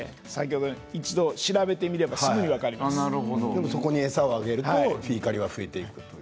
でもそこに餌をあげるとフィーカリは増えていくという。